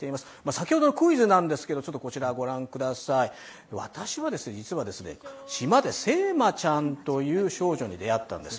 先ほどのクイズなんですけど、私は実は、島でセーマちゃんという少女に出会ったんです。